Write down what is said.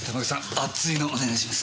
熱いのお願いします。